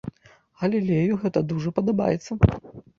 Галілею гэта дужа падабаецца.